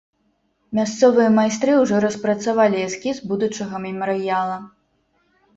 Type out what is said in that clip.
Мясцовыя майстры ўжо распрацавалі эскіз будучага мемарыяла.